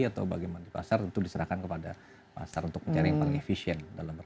atau bagaimana di pasar tentu diserahkan kepada pasar untuk mencari yang paling efisien